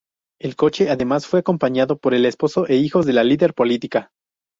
El coche además fue acompañado por el esposo e hijos de la líder política.